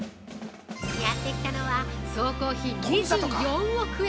◆やってきたのは総工費２４億円！